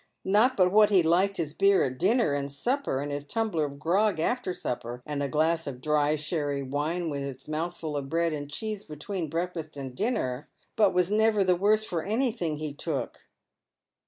Not but what he liked his beer at dinner and supper, and his tumbler of grog after supper, and a glass of diy sherry wine with his moutMul of bread and cheese between break fast and dinner, but was never the worse for anything he took."